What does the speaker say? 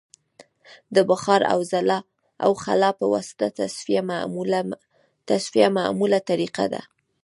د بخار او خلا په واسطه تصفیه معموله طریقه ده